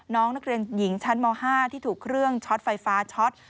น้องนักเรียนหญิงชั้นม๕ที่ถูกเครื่องช็อตไฟฟ้าช็อต